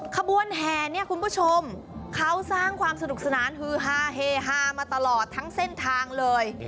ขบวนแห่เนี่ยคุณผู้ชมเขาสร้างความสนุกสนานฮือฮาเฮฮามาตลอดทั้งเส้นทางเลย